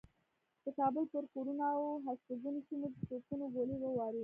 د کابل پر کورونو او هستوګنو سیمو د توپونو ګولۍ و اوروي.